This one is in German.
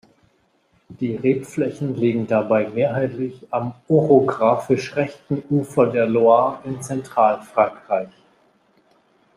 Die Rebflächen liegen dabei mehrheitlich am orographisch rechten Ufer der Loire in Zentralfrankreich.